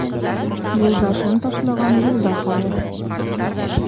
Юлдашын ташлаған юлда ҡалыр.